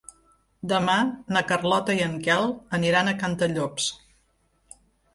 Demà na Carlota i en Quel aniran a Cantallops.